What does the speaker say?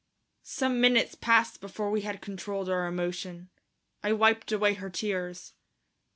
Some minutes passed before we had controlled our emotion. I wiped away her tears.